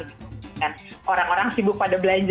yang tokoh lain saya di supermarket aja